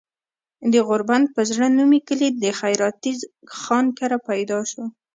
د غوربند پۀ زړه نومي کلي د خېراتي خان کره پيدا شو